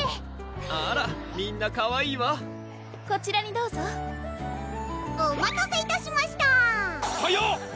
あらみんなかわいいわこちらにどうぞお待たせいたしました早っ！